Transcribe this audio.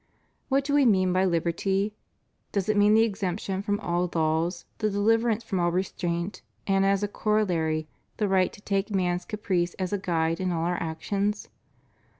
What do we mean by liberty? Does it mean the exemption from all laws; the deliverance from all restraint, and as a corollary, the right to take man's caprice as a guide in all our actions?